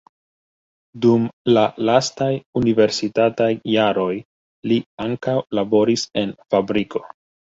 Dum la lastaj universitataj jaroj li ankaŭ laboris en fabriko.